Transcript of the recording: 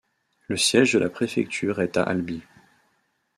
Le siège de la préfecture est à Albi.